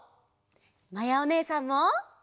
まやおねえさんも！